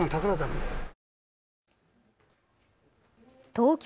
東京